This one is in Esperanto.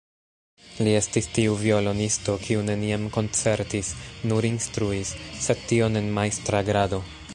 Li estis tiu violonisto, kiu neniam koncertis, nur instruis, sed tion en majstra grado.